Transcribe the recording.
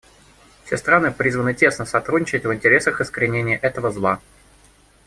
Все страны призваны тесно сотрудничать в интересах искоренения этого зла.